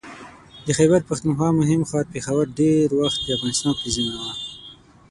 د خیبر پښتونخوا مهم ښار پېښور ډېر وخت د افغانستان پلازمېنه وه